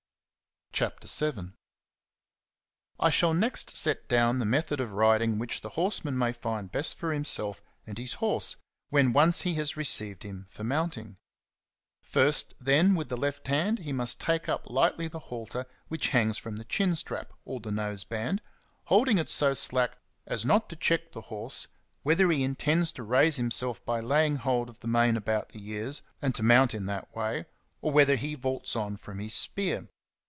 CHAPTER VII. I SHALL next set down the method of riding which the horseman may find best for himself and his horse, when once he has received him for mounting. First, then, with the left hand he must take up lightly the halter ^^ which hangs from the chin strap ^9 or the noseband, holding it so slack as not to check the horse, whether he intends to raise himself by laying hold of the mane about the ears,"^*^ and to mount in that way, or whether he vaults on from his spear.'